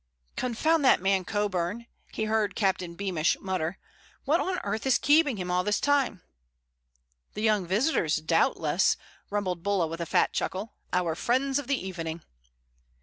"Confound that man Coburn," he heard Captain Beamish mutter. "What on earth is keeping him all this time?" "The young visitors, doubtless," rumbled Bulla with a fat chuckle, "our friends of the evening."